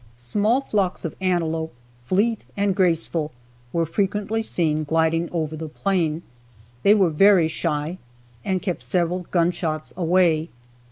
Small flocks of antelope, fleet and graceful, were frequently seen gliding over the plain. They were very shy, and kept several gunshots away.